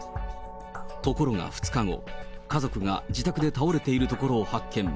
ところが２日後、家族が自宅で倒れているところを発見。